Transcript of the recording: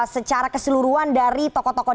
secara keseluruhan dari tokoh tokoh